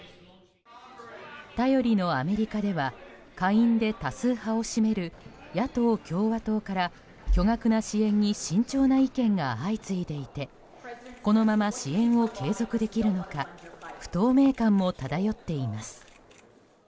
頼りのアメリカでは下院で多数派を占める野党・共和党から巨額な支援に慎重な意見が相次いでいてこのまま支援を継続できるのか不透明感も漂っています。